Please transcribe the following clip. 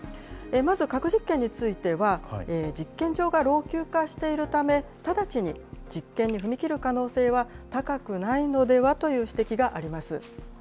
まず核実験については、実験場が老朽化しているため、直ちに実験に踏み切る可能性は高くないのではという指摘があります。